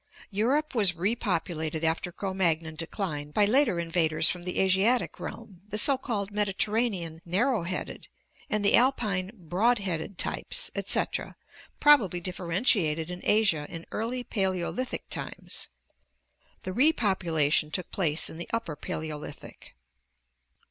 Europe was repopulated after Crd Magnon decline by later in vaders from the Asiatic realm, the so called Mediterranean narrow headed and the Alpine broad headed types, etc., probably differ entiated in Asia in early Paleolithic times. The repopulation took place in the Upper Paleolithic.